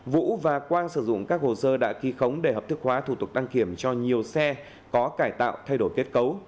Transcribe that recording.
vũ và quang sử dụng các hồ sơ đã ký khống để hợp thức hóa thủ tục đăng kiểm cho nhiều xe có cải tạo thay đổi kết cấu